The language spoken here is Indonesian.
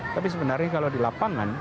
tapi sebenarnya kalau dilapang